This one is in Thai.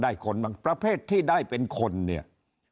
ได้คนมันประเภทที่ได้เป็นคนเนี่ย